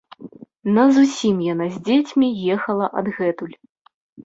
Назусім яна з дзецьмі ехала адгэтуль.